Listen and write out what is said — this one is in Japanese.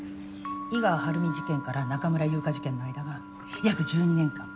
井川晴美事件から中村優香事件の間が約１２年間。